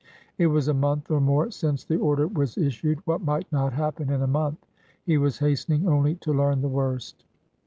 It was a month or more since the order was issued. What might not happen in a month! He was hastening only to learn the worst.